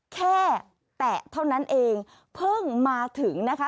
แตะเท่านั้นเองเพิ่งมาถึงนะคะ